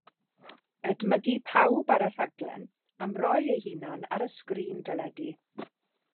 Edmygu pawb ar y rhaglen am roi eu hunain ar y sgrîn deledu.